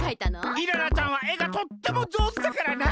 イララちゃんは絵がとってもじょうずだからな。